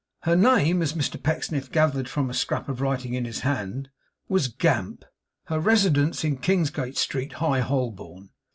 Her name, as Mr Pecksniff gathered from a scrap of writing in his hand, was Gamp; her residence in Kingsgate Street, High Holborn.